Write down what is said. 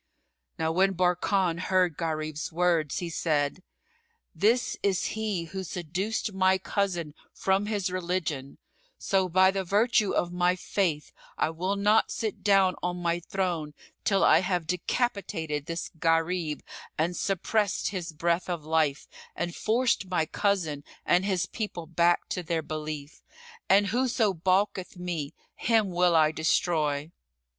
Now when Barkan heard Gharib's words, he said, "This is he who seduced my cousin from his religion; so, by the virtue of my faith, I will not sit down on my throne till I have decapitated this Gharib and suppressed his breath of life and forced my cousin and his people back to their belief: and whoso baulketh me, him will I destroy."